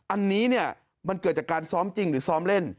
อันนี้เนี่ยมันเกิดจากการซ้อมจริงหรือซ้อมเล่น